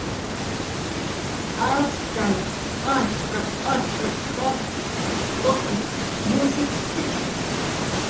"Achkanh ajtz'ap"" ajtz'ap"" pap suqn mushukki"